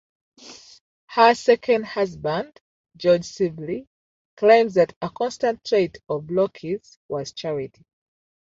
Her second husband, George Sibley, claims that a constant trait of Block's was charity.